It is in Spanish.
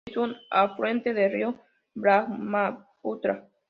Es un afluente del río Brahmaputra.